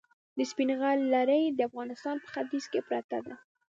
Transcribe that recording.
د سپین غر لړۍ د افغانستان په ختیځ کې پرته ده.